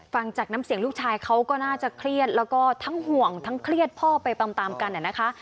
ฟังจากน้ำเสียงลูกชายเขาก็น่าจะเครียดแล้วก็ทั้งห่วงทั้งเครียดพ่อไปตามกันนะคะ